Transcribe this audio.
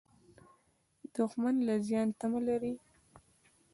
دښمن د زیان تمه لري